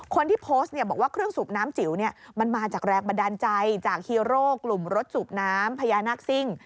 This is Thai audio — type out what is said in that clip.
คนที่โพสต์เนี่ยบอกว่าเครื่องสูบน้ำจิ๋วมันมาจากแรงบันดาลใจจากฮีโร่กลุ่มรถสูบน้ำพญานาคซิ่ง